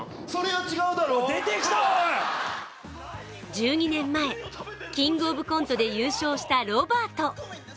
１２年前「キングオブコント」で優勝したロバート。